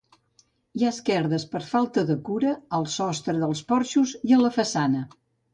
Hi ha esquerdes per falta de cura al sostre dels porxos i a la façana.